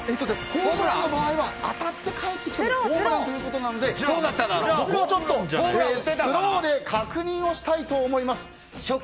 ホームランの場合は当たってかえってきた場合はホームランということなのでこれはスローで確認をしたいと思います。